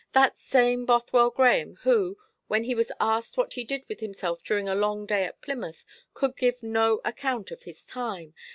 That same Bothwell Grahame who, when he was asked what he did with himself during a long day at Plymouth, could give no account of his time.